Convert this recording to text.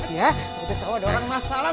ya gue ketawa ada orang masalah